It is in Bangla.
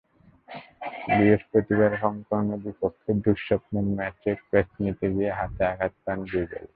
বৃহস্পতিবার হংকংয়ের বিপক্ষে দুঃস্বপ্নের ম্যাচে ক্যাচ নিতে গিয়ে হাতে আঘাত পান রুবেল।